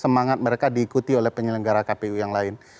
semangat mereka diikuti oleh penyelenggara kpu yang lain